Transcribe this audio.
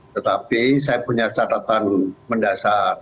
tetapi saya punya catatan mendasar